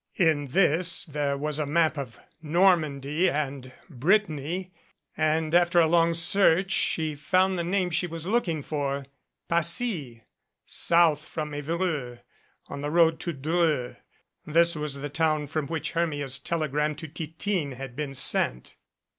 In this there was a map of Normandy and Brittany and after a long search she found the name she was looking for Passy south from Evreux on the road to Dreux this was the town from which Hermia's tele gram to Titine had been sent.